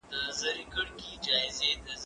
که وخت وي، د کتابتون د کار مرسته کوم،